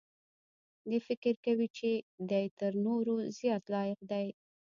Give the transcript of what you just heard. دی فکر کوي چې دی تر نورو زیات لایق دی.